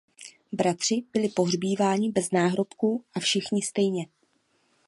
Bratři byli pohřbíváni bez náhrobků a všichni stejně.